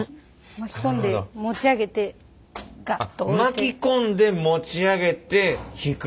巻き込んで持ち上げて引く。